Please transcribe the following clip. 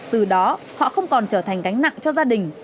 từ đó họ không còn trở thành gánh nặng cho gia đình